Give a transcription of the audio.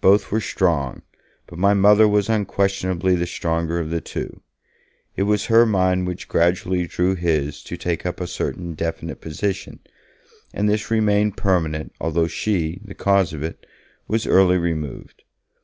Both were strong, but my Mother was unquestionably the stronger of the two; it was her mind which gradually drew his to take up a certain definite position, and this remained permanent although she, the cause of it, was early removed.